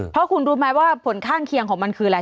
เพราะคุณรู้ไหมว่าผลข้างเคียงของมันคืออะไร